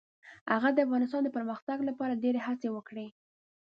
هغه د افغانستان د پرمختګ لپاره ډیرې هڅې وکړې.